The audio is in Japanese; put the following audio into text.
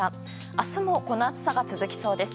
明日もこの暑さが続きそうです。